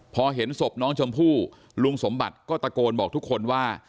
พอเห็นศพน้องชมพู่ลุงสมบัติก็ตะโกนบอกทุกคนว่า